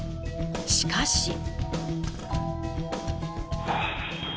しかし。